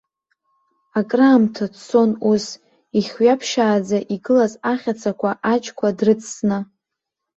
Акраамҭа дцон ус, ихҩаԥшьааӡа игылаз ахьацақәа, аџьқәа дрыҵсны.